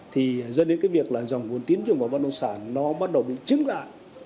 thì dẫn đến cái việc là dòng vốn tín dụng vào bất động sản nó bắt đầu bị chứng lại